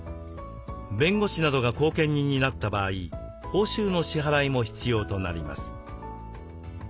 弁護士などが後見人になった場合報酬の支払いも必要となります。